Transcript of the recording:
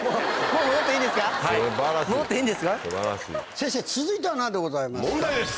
先生続いては何でございます？